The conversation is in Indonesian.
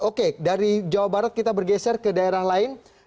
oke dari jawa barat kita bergeser ke daerah lain